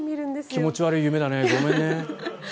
気持ち悪い夢だねごめんね。